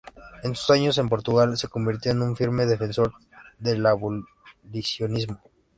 En sus años en portugal se convirtió en un firme defensor del abolicionismo.